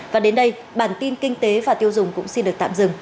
và đến đây bản tin kinh tế và tiêu dùng cũng xin được tạm dừng